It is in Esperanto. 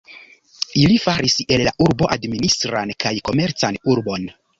Ili faris el la urbo administran kaj komercan urbon.